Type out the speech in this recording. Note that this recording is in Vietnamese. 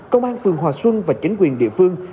công an phường hòa xuân và chính quyền địa phương